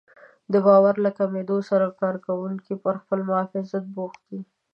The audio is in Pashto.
د باور له کمېدو سره کار کوونکي پر خپل محافظت بوخت وي.